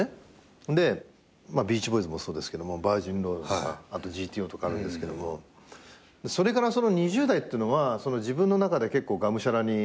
で『ビーチボーイズ』もそうですけど『バージンロード』『ＧＴＯ』とかあるんですけどもそれからその２０代ってのは自分の中でがむしゃらに走った自分がいて。